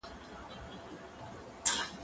زه ږغ اورېدلی دی؟